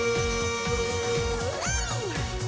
うん。